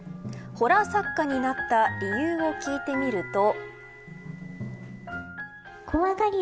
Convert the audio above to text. ホラー作家になった理由を聞いてみると。